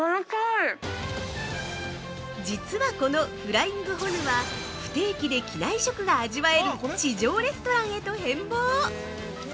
◆実はこのフライング・ホヌは不定期で機内食が味わえる地上レストランへと変貌！